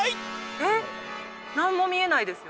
えっ何も見えないですよ。